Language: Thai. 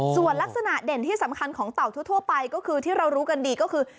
ส่วนลักษณะเด่นที่สำคัญของเต่าทั่วไปก็คือที่เรารู้กันดีก็คือ